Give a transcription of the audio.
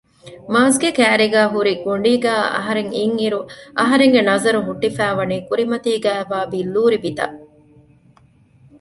މާޒްގެ ކައިރީގައި ހުރި ގޮނޑީގައި އަހަރެން އިންއިރު އަހަރެންގެ ނަޒަރު ހުއްޓިފައިވަނީ ކުރިމަތީގައިވާ ބިއްލޫރި ބިތަށް